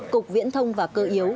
cục viễn thông và cơ yếu